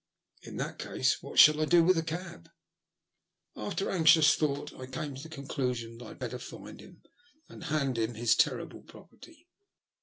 In that case, what should I do with the cab? After anxious thought I came to the conclusion that I had better find him and hand him his terrible property.